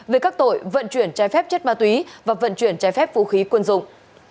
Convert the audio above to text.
về các tội vận chuyển trái phép chất ma túy và vận chuyển trái phép vũ khí quân dụng